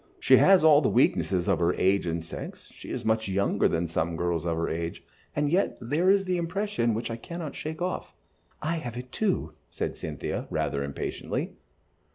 She has all the weaknesses of her age and sex, she is much younger than some girls of her age, and yet there is the impression which I cannot shake off." "I have it, too," said Cynthia, rather impatiently.